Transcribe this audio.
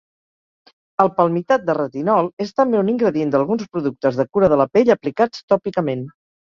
El palmitat de retinol és també un ingredient d'alguns productes de cura de la pell aplicats tòpicament.